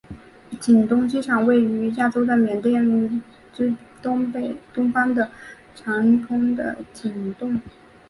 景栋机场位于亚洲的缅甸之东方的掸邦的景栋。